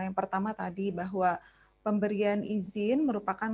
yang pertama tadi bahwa pemberian izin merupakan